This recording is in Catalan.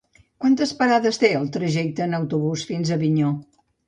Quantes parades té el trajecte en autobús fins a Avinyó?